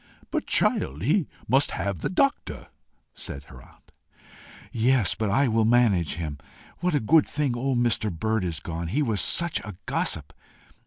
"But, child, he must have the doctor," said her aunt. "Yes, but I will manage him. What a good thing old Mr. Bird is gone! He was such a gossip!